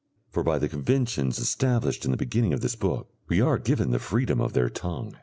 for by the conventions established in the beginning of this book, we are given the freedom of th